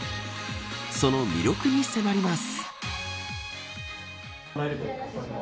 その魅力に迫ります。